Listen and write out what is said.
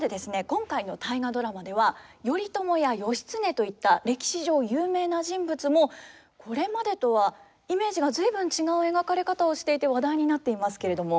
今回の「大河ドラマ」では頼朝や義経といった歴史上有名な人物もこれまでとはイメージが随分違う描かれ方をしていて話題になっていますけれども。